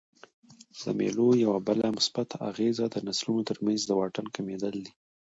د مېلو یوه بله مثبته اغېزه د نسلونو ترمنځ د واټن کمېدل دي.